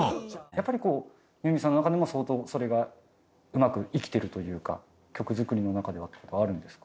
やっぱりこうユーミンさんの中にも相当それがうまく生きてるというか曲作りの中ではっていう事はあるんですか？